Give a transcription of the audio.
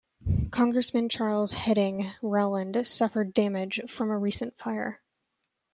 Congressman Charles Hedding Rowland, suffered damage from a recent fire.